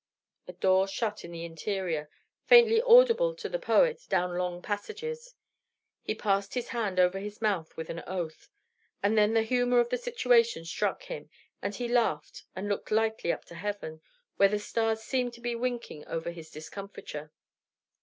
A door shut in the interior, faintly audible to the poet down long passages. He passed his hand over his mouth with an oath. And then the humor of the situation struck him, and he laughed and looked lightly up to heaven, where the stars seemed to be winking over his discomfiture.